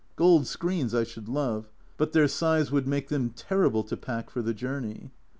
Gold screens I should love but their size would make them terrible to pack for the journey.